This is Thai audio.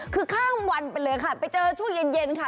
คือข้ามวันไปเลยค่ะไปเจอช่วงเย็นค่ะ